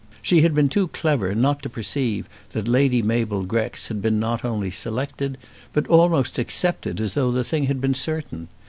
She had been too clever not to perceive that Lady Mabel Grex had been not only selected, but almost accepted as though the thing had been certain.